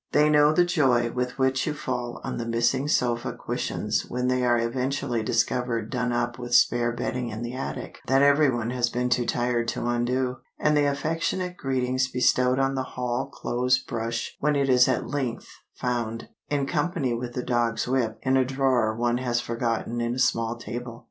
They know the joy with which you fall on the missing sofa cushions when they are eventually discovered done up with spare bedding in the attic—that everyone has been too tired to undo; and the affectionate greetings bestowed on the hall clothes brush when it is at length found—in company with the dog's whip—in a drawer one has forgotten in a small table.